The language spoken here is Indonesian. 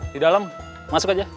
di dalam masuk aja